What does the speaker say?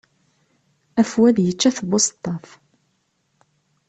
Afwad yečča-t buseṭṭaf.